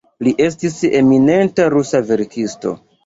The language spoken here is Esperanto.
Li estis eminenta rusa verkisto.